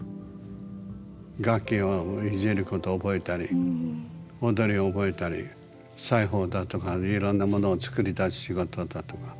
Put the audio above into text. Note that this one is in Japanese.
楽器をいじること覚えたり踊りを覚えたり裁縫だとかいろんな物を作り出す仕事だとか。